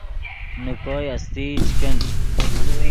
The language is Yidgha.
نے کوئے استئی چے کن